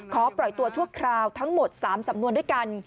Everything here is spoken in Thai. ปล่อยตัวชั่วคราวทั้งหมด๓สำนวนด้วยกัน